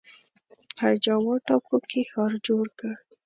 په جاوا ټاپو کې ښار جوړ کړ.